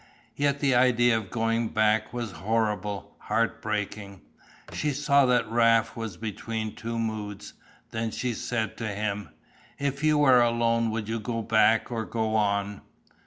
Yet the idea of going back was horrible, heartbreaking. She saw that Raft was between two moods. Then she said to him. "If you were alone would you go back or go on?"